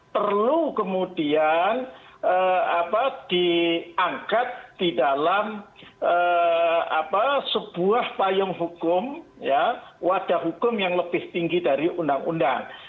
perlu kemudian diangkat di dalam sebuah payung hukum wadah hukum yang lebih tinggi dari undang undang